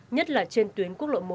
nhất là trên tuyến quốc lộ một